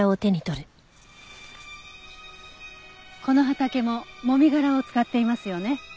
この畑ももみ殻を使っていますよね？